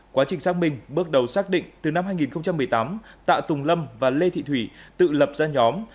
quá trình xác minh bước đầu xác định từ năm hai nghìn một mươi tám tạ tùng lâm và lê thị thủy tự lập ra nhóm